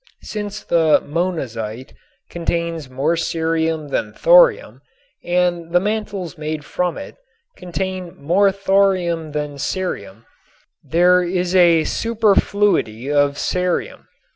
Since the monazite contains more cerium than thorium and the mantles made from it contain more thorium than cerium, there is a superfluity of cerium.